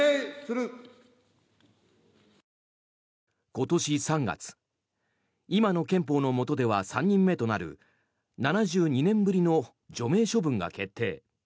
今年３月今の憲法のもとでは３人目となる７２年ぶりの除名処分が決定。